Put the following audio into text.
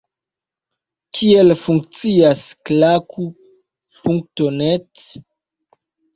Kiel funkcias Klaku.net?